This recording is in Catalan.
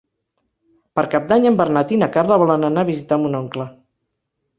Per Cap d'Any en Bernat i na Carla volen anar a visitar mon oncle.